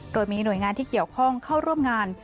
โดยมีหน่วยงานที่เกี่ยวข้องเข้าร่วมงาน